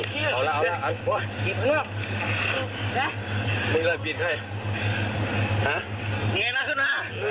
จะได้ยินเสียงของผู้เสียชีวิตพูดคำว่าขออภัยนะคะ